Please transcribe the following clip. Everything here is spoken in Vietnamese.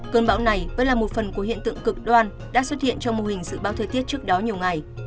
cơn bão này vẫn là một phần của hiện tượng cực đoan đã xuất hiện trong mô hình dự báo thời tiết trước đó nhiều ngày